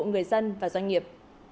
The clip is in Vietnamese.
người dân và doanh nghiệp